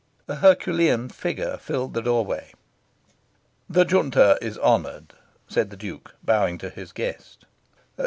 A Herculean figure filled the doorway. "The Junta is honoured," said the Duke, bowing to his guest.